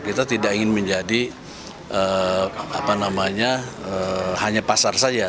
kita tidak ingin menjadi hanya pasar saja